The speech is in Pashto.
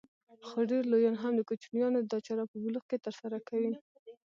خو ډېر لويان هم د کوچنيانو دا چاره په بلوغ کې ترسره کوي.